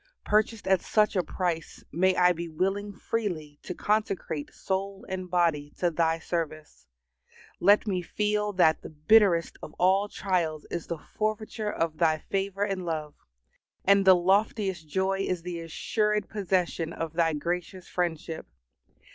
Purchased at such a price, may I be willing freely to consecrate soul and body to Thy service. Let me feel that the bitterest of all trials is the forfeiture of Thy favor and love, and the loftiest joy is the assured possession of Thy gracious friendship.